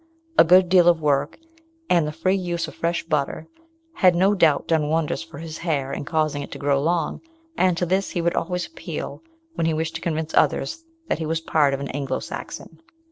A good deal of work, and the free use of fresh butter, had no doubt done wonders for his "hare" in causing it to grow long, and to this he would always appeal when he wished to convince others that he was part of an Anglo Saxon.